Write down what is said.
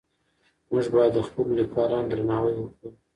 موږ باید د خپلو لیکوالانو درناوی وکړو.